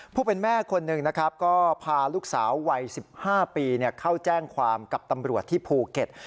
ผู้เป็นแม่คนหนึ่งนะครับก็พาลูกสาววัย๑๕ปีเข้าแจ้งความกับตำรวจที่ภูเก็ต